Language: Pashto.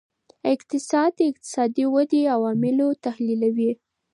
اقتصاد د اقتصادي ودې عوامل تحلیلوي.